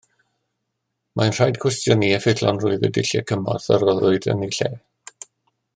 Mae rhaid cwestiynu effeithiolrwydd y dulliau cymorth a roddwyd yn eu lle